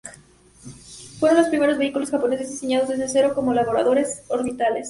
Fueron los primeros vehículos japoneses diseñados desde cero como lanzadores orbitales.